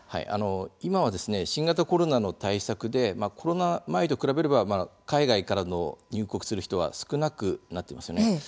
今は、新型コロナの対策でコロナ前と比べれば海外からの入国する人は少なくなっていますよね。